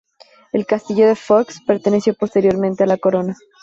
El castillo de Foix perteneció posteriormente a la corona.